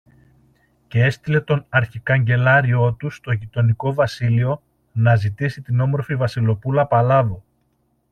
Κι έστειλε τον αρχικαγκελάριό του στο γειτονικό βασίλειο, να ζητήσει την όμορφη Βασιλοπούλα Παλάβω